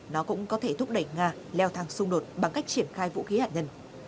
nó cũng có thể thúc đẩy nga leo thang xung đột bằng cách triển khai vũ khí hạt nhân